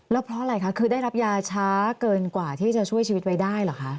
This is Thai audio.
แล้วเพราะอะไรคะคือได้รับยาช้าเกินกว่าที่จะช่วยชีวิตไว้ได้เหรอคะ